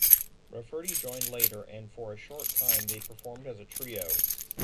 Rafferty joined later and for a short time they performed as a trio.